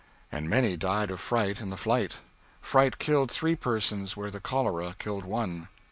And many died of fright in the flight. Fright killed three persons where the cholera killed one.